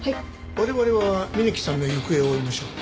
我々は峯木さんの行方を追いましょう。